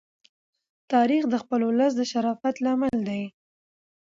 تاریخ د خپل ولس د شرافت لامل دی.